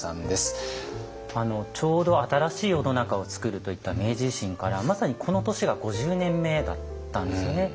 ちょうど新しい世の中をつくるといった明治維新からまさにこの年が５０年目だったんですよね。